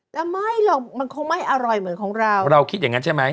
แต่ไม่หรอกมันคงไม่อร่อยเหมือนของเราเราคิดอย่างงั้นใช่ไหม